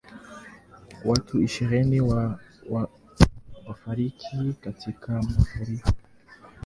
Watu ishirini wafariki katika mafuriko